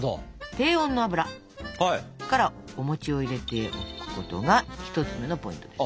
低温の油からお餅を入れておくことが１つ目のポイントです。